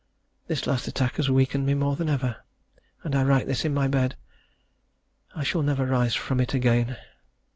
This last attack has weakened me more than ever, and I write this in my bed. I shall never rise from it again.